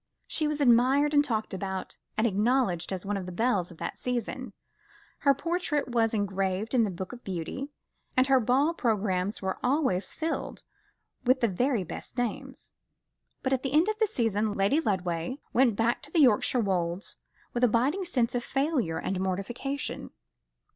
She was admired and talked about, and acknowledged as one of the belles of that season; her portrait was engraved in the Book of Beauty, and her ball programmes were always filled with the very best names; but at the end of the season, Lady Lodway went back to the Yorkshire Wolds with a biting sense of failure and mortification.